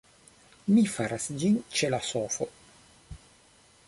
Mi faras ĝin ĉe la sofo